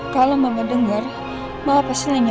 kalau mama denger mama pasti nanya ke gue